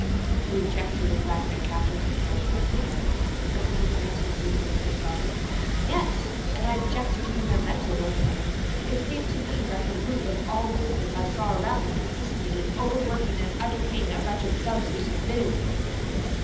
"You object to the fact that capital controls printing?" said the big man, fixing him with his goggles. "Yes—and I object to doing their mental work for them. It seemed to me that the root of all the business I saw around me consisted in overworking and underpaying a bunch of dubs who submitted to it."